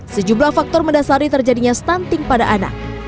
sejumlah faktor mendasari terjadinya stunting pada anak